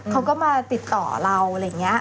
เขาก็มาติดต่อเราอะไรอย่างนี้